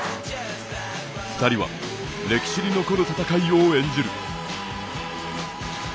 ２人は歴史に残る戦いを演じる。